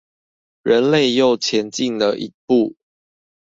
人類又前進了一步